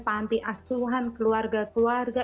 panti asuhan keluarga keluarga